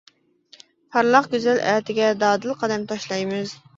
پارلاق گۈزەل ئەتىگە، دادىل قەدەم تاشلايمىز.